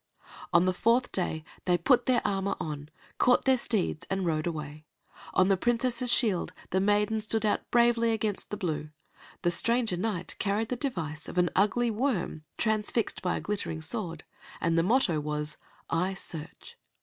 On the fourth day they put their armor on, caught their steeds, and rode away. On the Princess's shield the maiden stood out bravely against the blue; the stranger Knight carried the device of an ugly worm transfixed by a glittering sword, and the motto was "I search."